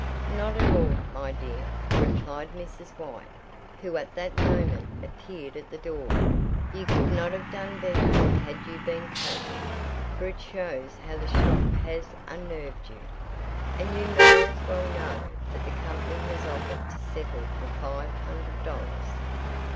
"Not at all, my dear," replied Mrs. White, who at that moment appeared at the door. "You could not have done better had you been coached, for it shows how the shock has unnerved you. And you may as well know that the company has offered to settle for five hundred dollars."